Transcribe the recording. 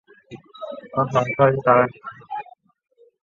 福建畸脉姬蜂的一种。